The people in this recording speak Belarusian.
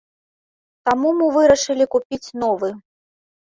Таму мы вырашылі купіць новы.